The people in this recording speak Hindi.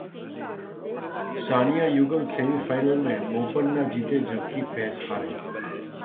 सानिया युगल सेमीफाइनल में, बोपन्ना जीते जबकि पेस हारे